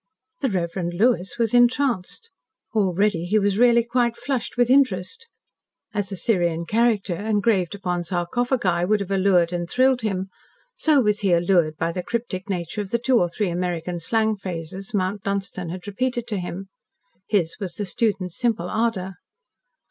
The Reverend Lewis was entranced. Already he was really quite flushed with interest. As Assyrian character, engraved upon sarcophogi, would have allured and thrilled him, so was he allured by the cryptic nature of the two or three American slang phrases Mount Dunstan had repeated to him. His was the student's simple ardour.